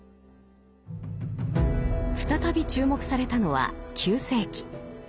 再び注目されたのは９世紀。